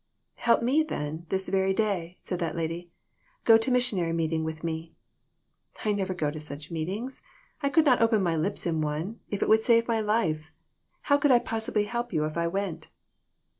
"Help me, then, this very day," said that lady; "go to missionary meeting with me." "I never go to such meetings. I could not open my lips in one, if it would save my life. How could I possibly help you if I went?"